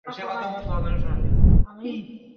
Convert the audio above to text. না করে উপায় আছে কোনো?